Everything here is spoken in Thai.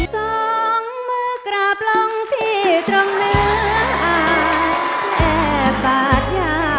ท้องมือกราบลงที่ตรงนั้นแอบปาดยาม่อน